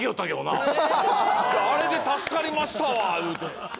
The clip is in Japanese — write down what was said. あれで助かりましたわ言うて。